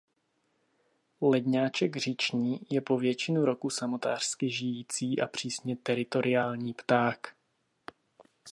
Ledňáček říční je po většinu roku samotářsky žijící a přísně teritoriální pták.